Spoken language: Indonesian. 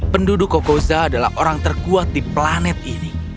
penduduk kokoza adalah orang terkuat di planet ini